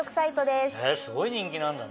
すごい人気なんだね。